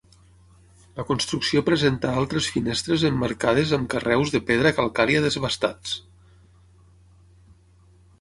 La construcció presenta altres finestres emmarcades amb carreus de pedra calcària desbastats.